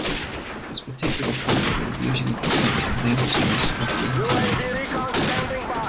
This particular copula usually contains the main stress of the intonation group.